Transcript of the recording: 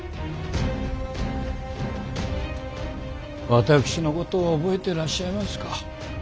私のことを覚えてらっしゃいますか？